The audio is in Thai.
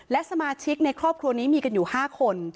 และสมาชิกในครอบครัวนี้มีกันอยู่๕คน